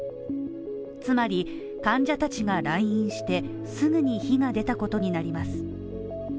つまり、患者たちが来院してすぐに火が出たことになります。